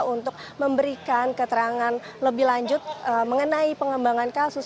untuk memberikan keterangan lebih lanjut mengenai pengembangan kasus